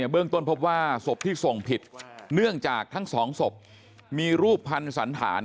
เบื้องต้นพบว่าศพที่ส่งผิดเนื่องจากทั้งสองศพมีรูปพันธ์สันฐาน